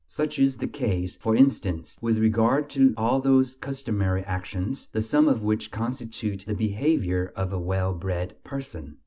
Such is the case, for instance, with regard to all those customary actions, the sum of which constitute "the behavior of a well bred person."